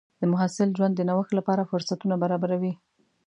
د محصل ژوند د نوښت لپاره فرصتونه برابروي.